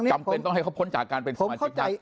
จำเป็นต้องให้เขาพ้นจากการเป็นสมาชิกพัก